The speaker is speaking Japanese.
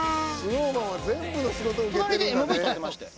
ＳｎｏｗＭａｎは全部の仕事受けてるんだね。